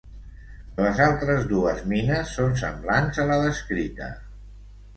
Les altres dues mines són semblants a la descrita.